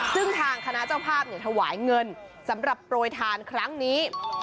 ซึ่งทางคณะเจ้าภาพถวายเงินสำหรับโปรยทานครั้งนี้